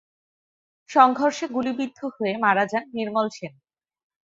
সংঘর্ষে গুলিবিদ্ধ হয়ে মারা যান নির্মল সেন।